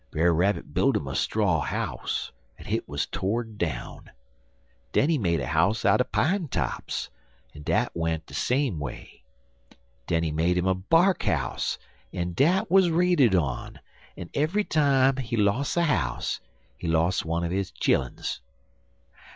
Brer Rabbit b'ilt 'im a straw house, en hit wuz tored down; den he made a house out'n pine tops, en dat went de same way; den he made 'im a bark house, en dat wuz raided on, en eve'y time he los' a house he los' one er his chilluns.